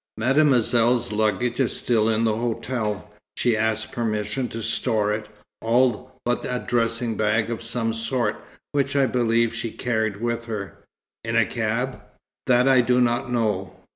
"Mademoiselle's luggage is still in the hotel. She asked permission to store it, all but a dressing bag of some sort, which, I believe she carried with her." "In a cab?" "That I do not know.